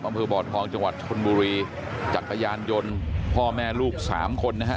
อำเภอบ่อทองจังหวัดชนบุรีจักรยานยนต์พ่อแม่ลูกสามคนนะฮะ